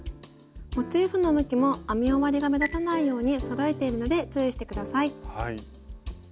モチーフの向きも編み終わりが目立たないようにそろえているので注意して下さい。